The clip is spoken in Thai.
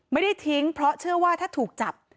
ไม่ได้ทิ้งเพราะเชื่อว่าถ้าถูกจับ